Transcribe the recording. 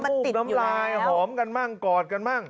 น้ำลูกน้ำลายหอมกันบ้างกอดกันบ้าง